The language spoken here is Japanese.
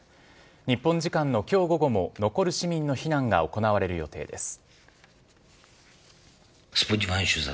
日本時間のきょう午後も残る市民の避難が行われる予定です。